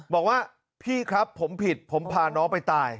บอกว่าพี่ครับผมผิดผมพาน้องไปตาย